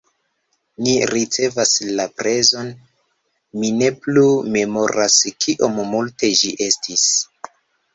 Ni ricevas la prezon, mi ne plu memoras kiom multe ĝi estis